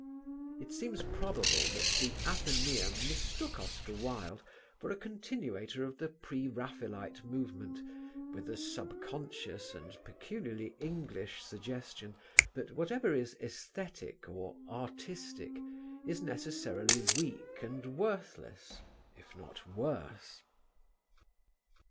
It seems probable that The Athenæum mistook Oscar Wilde for a continuator of the Pre Raphaelite movement with the sub conscious and peculiarly English suggestion that whatever is "æsthetic" or "artistic" is necessarily weak and worthless, if not worse.